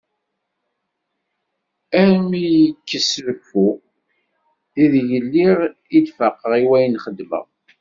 Arm iyi-ikkes reffu i deg lliɣ i d-faqeɣ i wayen i xedmeɣ.